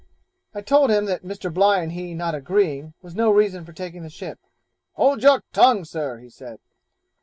I told him that Mr. Bligh and he not agreeing was no reason for taking the ship. 'Hold your tongue, Sir,' he said.